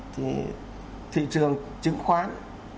thì thị trường chứng khoán